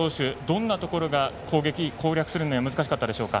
どんなところが攻略するのが難しかったですか？